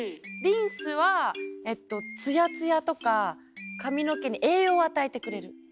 リンスはつやつやとか髪の毛に栄養を与えてくれる。